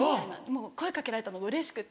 もう声掛けられたのがうれしくて。